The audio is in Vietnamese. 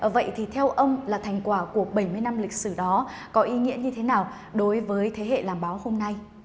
vậy thì theo ông là thành quả của bảy mươi năm lịch sử đó có ý nghĩa như thế nào đối với thế hệ làm báo hôm nay